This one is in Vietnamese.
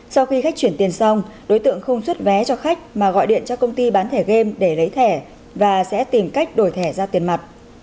sau khi khách chuyển tiền xong đối tượng không xuất vé cho khách mà gọi điện cho công ty bán thẻ game để lấy thẻ và sẽ tìm cách đổi thẻ ra tiền mặt